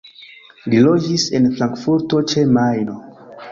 Li loĝis en Frankfurto ĉe Majno.